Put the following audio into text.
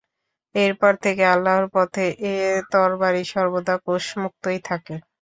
এরপর থেকে আল্লাহর পথে এ তরবারি সর্বদা কোষমুক্তই থাকে।